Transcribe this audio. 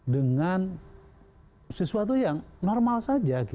dengan sesuatu yang normal saja